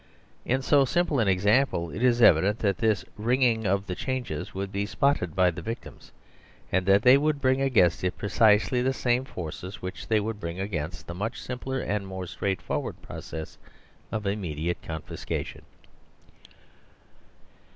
In so simple an example it is evident that this " ringing of the changes " would be spotted by the victims, and that they would bring against it precisely the same forces which they would bring against the much simpler and more straightforward process of immediate confiscation.